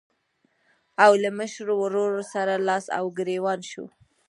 او له مشر ورور سره لاس او ګرېوان شو.